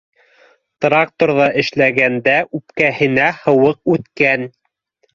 Тракторҙа эшләгәндә үпкәһенә һыуыҡ үткән.